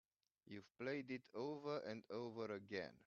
You've played it over and over again.